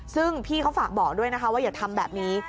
ซึ่งพี่เขาฝากบอกด้วยนะคะว่าอย่าทำแบบนี้